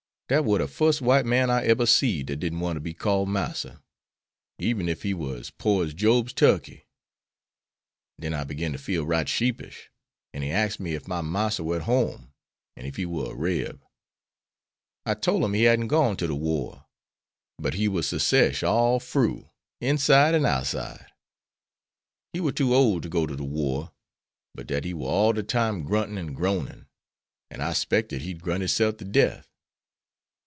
"' Dat war de fust white man I eber seed dat didn't want ter be called 'massa,' eben ef he war as pore as Job's turkey. Den I begin to feel right sheepish, an' he axed me ef my marster war at home, an' ef he war a Reb. I tole him he hadn't gone to de war, but he war Secesh all froo, inside and outside. He war too ole to go to de war, but dat he war all de time gruntin' an' groanin', an' I 'spected he'd grunt hisself to death."